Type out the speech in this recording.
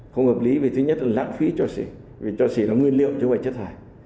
không hợp lý vì thứ nhất là lãng phí cho xỉ vì cho xỉ là nguyên liệu chứ về chất thải